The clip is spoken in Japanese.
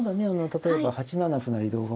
例えば８七歩成同歩